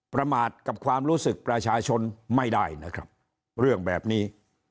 ประมาทกับความรู้สึกประชาชนไม่ได้นะครับเรื่องแบบนี้